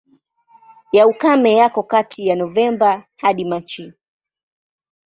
Ya ukame yako kati ya Novemba hadi Machi.